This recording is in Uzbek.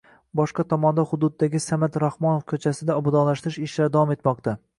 Boshqa tomonda hududdagi Samat Rahmonov koʻchasida obodonlashtirish ishlari davom etmoqda.